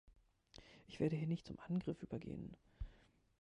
Ich werde hier nicht zum Angriff übergehen.